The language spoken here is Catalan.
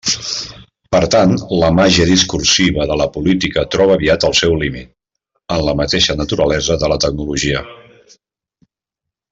Per tant, la màgia discursiva de la política troba aviat el seu límit: en la mateixa naturalesa de la tecnologia.